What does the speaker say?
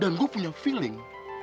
dan gue punya feeling